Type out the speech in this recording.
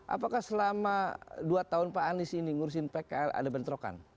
apakah selama dua tahun pak anies ini ngurusin pkl ada bentrokan